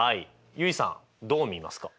結衣さんどう見ますか？